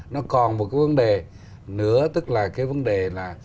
nó còn một cái vấn đề nữa tức là cái vấn đề là